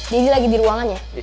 deddy lagi di ruangannya